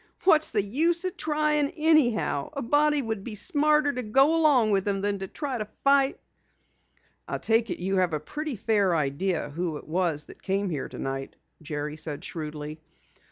"What's the use trying anyhow? A body would be smarter to go along with 'em than to try to fight." "I take it you have a pretty fair idea who it was that came here tonight?" Jerry said shrewdly.